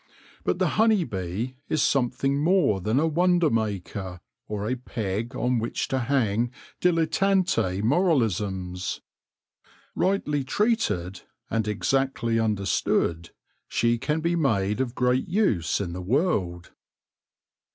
But the honey bee is something more than a wonder maker, or a peg on which to hang dilettante moraiisms. Rightly treated and exactly understood, she can be made of great use in the world.